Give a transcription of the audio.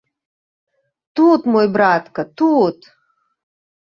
Тут, мой братка, тут!